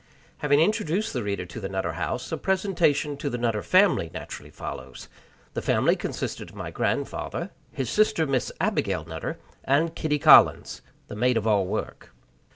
Having introduced the reader to the Nutter House, a presentation to the Nutter family naturally follows. The family consisted of my grandfather; his sister, Miss Abigail Nutter; and Kitty Collins, the maid of all work.